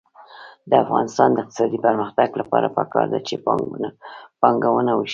د افغانستان د اقتصادي پرمختګ لپاره پکار ده چې پانګونه وشي.